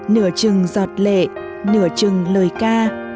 nửa chừng giọt lệ nửa chừng lời ca